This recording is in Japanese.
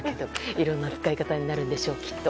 いろんな使い方になるでしょうきっと。